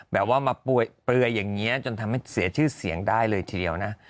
แบบว่ามาเปลือยอย่างนี้จนทำให้เสียชื่อเสียงได้เลยทีเดียวนะ